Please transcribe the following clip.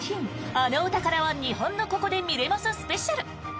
あのお宝は日本のここで見れますスペシャル！